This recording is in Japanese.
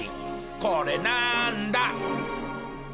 これなんだ？